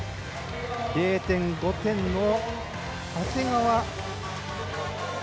０．５点の長谷川。